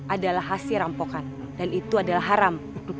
adalah hasil rampokan dan itu adalah haram